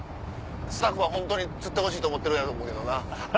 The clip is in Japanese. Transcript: スタッフはホントに釣ってほしいと思ってるやろうけどな。